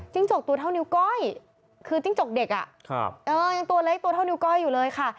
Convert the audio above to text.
จกตัวเท่านิ้วก้อยคือจิ้งจกเด็กยังตัวเล็กตัวเท่านิ้วก้อยอยู่เลยค่ะ